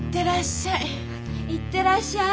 行ってらっしゃい。